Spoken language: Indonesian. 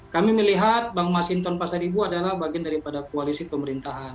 kami melihat bang masinton pasaribu adalah bagian dari pada koalisi pemerintahan